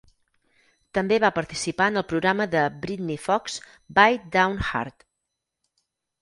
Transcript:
També va participar en el programa de Britny Fox "Bite Down Hard".